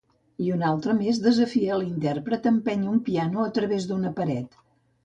I una altra més desafia l'intèrpret a empènyer un piano a través d'una paret.